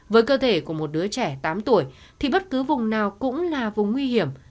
với cơ thể của một đứa trẻ tám tuổi thì bất cứ vùng nào cũng là vùng nguy hiểm